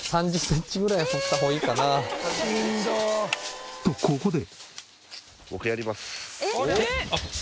「しんどっ！」とここで。